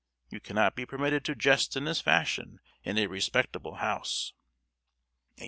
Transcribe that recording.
You cannot be permitted to jest in this fashion in a respectable house."